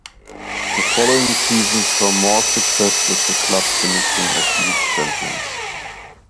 The following season saw more success with the club finishing as league champions.